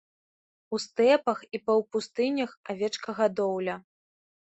У стэпах і паўпустынях авечкагадоўля.